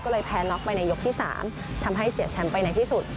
ก็เลยแพ้น็อกไปในยกที่๓ทำให้เสียแชมป์ไปในที่สุด